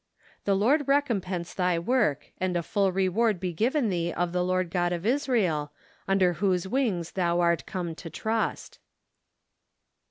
" The Lord recompense thy work, and a full reward he given thee of the Lord God of Israel, under whose wings thou art come to trust.